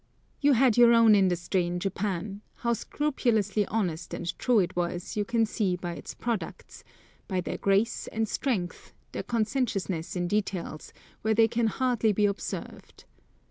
You had your own industry in Japan; how scrupulously honest and true it was, you can see by its products, by their grace and strength, their conscientiousness in details, where they can hardly be observed.